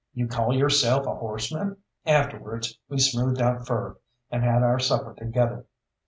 You call yourself a horseman?" Afterwards we smoothed our fur, and had our supper together.